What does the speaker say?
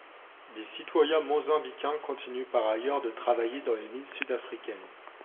Des citoyens mozambicains continuent par ailleurs de travailler dans les mines sud-africaines.